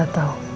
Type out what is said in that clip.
aku gak tau